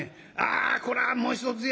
「ああこれはもうひとつや」。